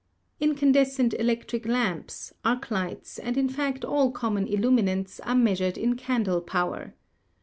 Incandescent electric lamps, arc lights and in fact all common illuminants are measured in candle power.